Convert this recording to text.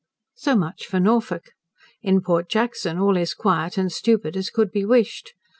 So much for Norfolk. In Port Jackson all is quiet and stupid as could be wished.